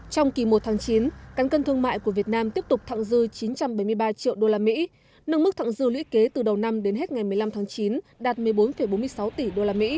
trong kỳ một tháng chín cán cân thương mại của việt nam tiếp tục thẳng dư chín trăm bảy mươi ba triệu usd nâng mức thẳng dư lũy kế từ đầu năm đến hết ngày một mươi năm tháng chín đạt một mươi bốn bốn mươi sáu tỷ usd